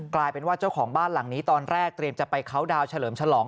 กลายเป็นว่าเจ้าของบ้านหลังนี้ตอนแรกเตรียมจะไปเคาน์ดาวน์เฉลิมฉลอง